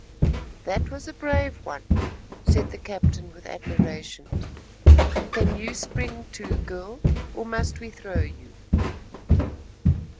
"That was a brave one," said the captain with admiration. "Can you spring too, girl, or must we throw you?"